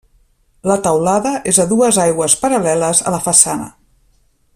La teulada és a dues aigües paral·leles a la façana.